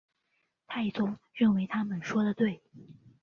太宗认为他们说得对。